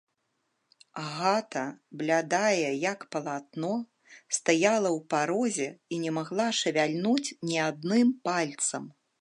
Агата, блядая, як палатно, стаяла ў парозе і не магла шавяльнуць ні адным пальцам.